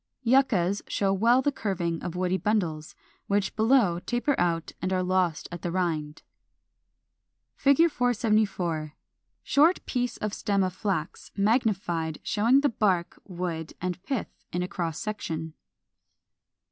Yuccas show well the curving of the woody bundles (Fig. 471) which below taper out and are lost at the rind. [Illustration: Fig. 474. Short piece of stem of Flax, magnified, showing the bark, wood, and pith in a cross section.